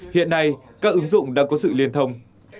hiện nay các ứng dụng đã có sự liên thông